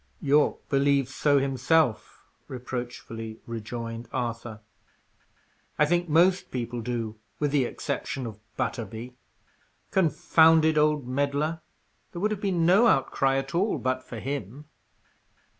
"Yorke believes so himself," reproachfully rejoined Arthur. "I think most people do, with the exception of Butterby. Confounded old meddler! There would have been no outcry at all, but for him."